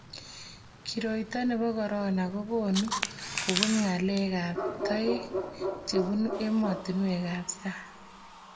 koroito nebo korona ko konu kobut ngalek ab taek chebunu ematunuek ab sang